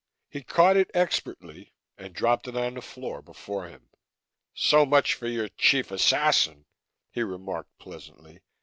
He caught it expertly and dropped it on the floor before him. "So much for your Chief Assassin," he remarked pleasantly.